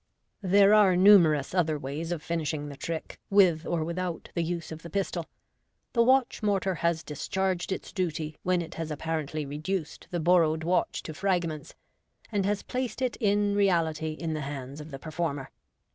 There are numerous other ways of finishing the trick, with or without the use of the pistol. The watch mortar has discharged its duty when it has apparently reduced the borrowed watch to fragments, and has placed it in reality in the hands of the per former.